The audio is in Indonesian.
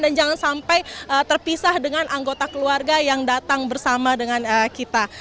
dan jangan sampai terpisah dengan anggota keluarga yang datang bersama dengan kita